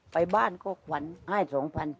ไปบ้านก็ขวัญให้๒๐๐บาท